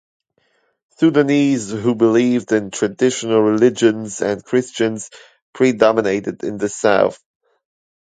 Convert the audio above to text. Sudanese who believed in traditional religions and Christians predominated in the South.